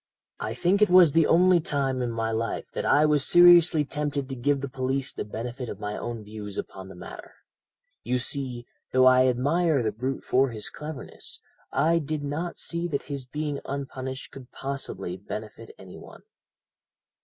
"I think it was the only time in my life that I was seriously tempted to give the police the benefit of my own views upon the matter. You see, though I admire the brute for his cleverness, I did not see that his being unpunished could possibly benefit any one.